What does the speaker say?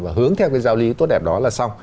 và hướng theo cái giao lý tốt đẹp đó là xong